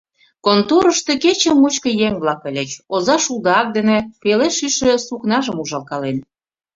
Конторышто кече мучко еҥ-влак ыльыч: оза шулдо ак дене пеле шӱйшӧ сукнажым ужалкален.